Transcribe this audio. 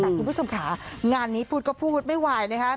แต่คุณผู้ชมค่ะงานนี้พูดก็พูดไม่ไหวนะคะ